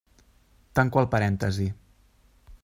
Tanco el parèntesi.